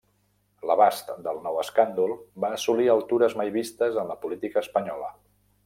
L'abast del nou escàndol va assolir altures mai vistes en la política espanyola.